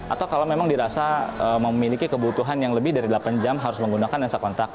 atau kalau memang dirasa memiliki kebutuhan yang lebih dari delapan jam harus menggunakan lensa kontak